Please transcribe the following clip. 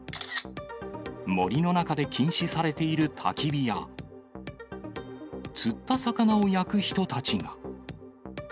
森の中で禁止されているたき火や、釣った魚を焼く人たちが。